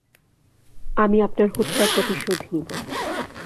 আমি আপনার হত্যার প্রতিশোধ নিবো।